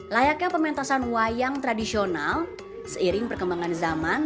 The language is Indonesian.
layaknya pementasan wayang tradisional seiring perkembangan zaman